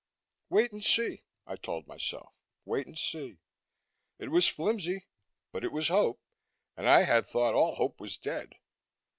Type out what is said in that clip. Wait and see, I told myself. Wait and see. It was flimsy, but it was hope, and I had thought all hope was dead.